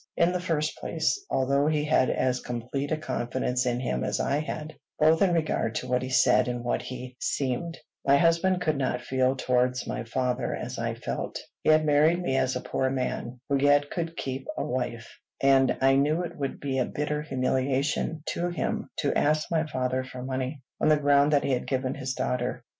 In the first place, although he had as complete a confidence in him as I had, both in regard to what he said and what he seemed, my husband could not feel towards my father as I felt. He had married me as a poor man, who yet could keep a wife; and I knew it would be a bitter humiliation to him to ask my father for money, on the ground that he had given his daughter.